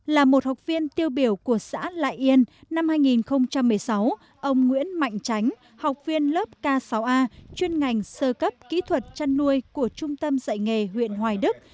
là một học viên tiêu biểu của xã lại yên năm hai nghìn một mươi sáu ông nguyễn mạnh tránh học viên lớp k sáu a chuyên ngành sơ cấp kỹ thuật chăn nuôi của trung tâm dạy nghề huyện hoài đức